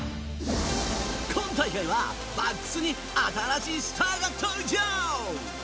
今大会は、バックスに新しいスターが登場！